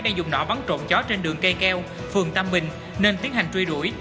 đang dùng nỏ bắn trộn chó trên đường cây keo phường tam bình nên tiến hành truy đuổi